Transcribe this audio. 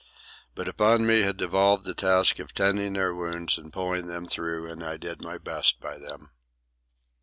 But upon me had devolved the task of tending their wounds, and pulling them through, and I did my best by them.